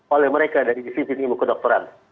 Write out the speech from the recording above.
oleh mereka dari disisi nimu kedokteran